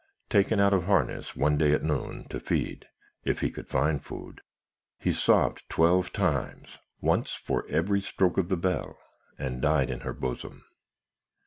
Taken out of harness one day at noon, to feed if he could find food he sobbed twelve times, once for every stroke of the bell, and died on her bosom.'